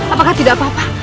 apakah tidak apa apa